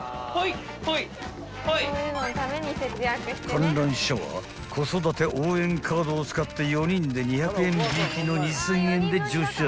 ［観覧車は子育て応援カードを使って４人で２００円引きの２，０００円で乗車］